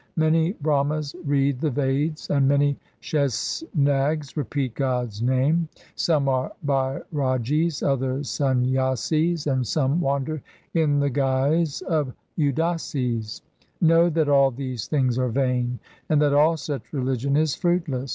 Many Brahmas read the Veds, And many Sheshnags repeat God's name. Some are Bairagis, others Sanyasis, And some wander in the guise of Udasis. Know that all these things are vain, And that all such religion is fruitless.